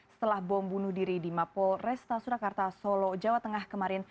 setelah bom bunuh diri di mapol resta surakarta solo jawa tengah kemarin